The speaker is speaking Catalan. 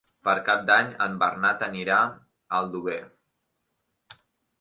Per Cap d'Any en Bernat anirà a Aldover.